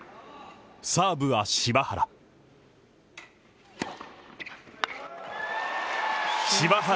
サーブは柴原柴原